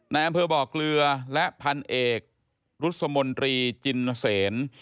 ในอำเภอบ่อเกลือและพันเอกรุษมนตรีจินเสน